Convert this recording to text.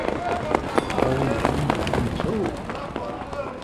All the land has been sold.